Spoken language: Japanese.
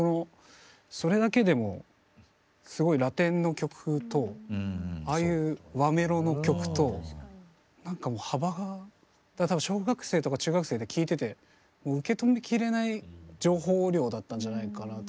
それだけでもすごいラテンの曲とああいう和メロの曲となんかもう幅がだから多分小学生とか中学生で聴いててもう受け止めきれない情報量だったんじゃないかなと思うんですけど。